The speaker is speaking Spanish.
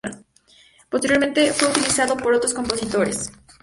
Posteriormente fue utilizado por otros compositores.